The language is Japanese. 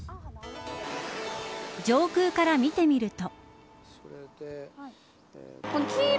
上空から見てみると。